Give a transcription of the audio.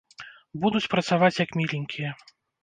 Будуць працаваць як міленькія.